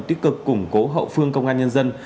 tích cực củng cố hậu phương công an nhân dân